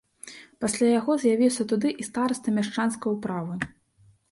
Пасля яго з'явіўся туды і стараста мяшчанскай управы.